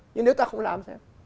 nhưng nếu ta không làm